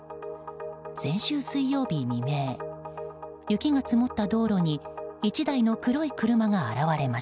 先週水曜日未明雪が積もった道路に１台の黒い車が現れます。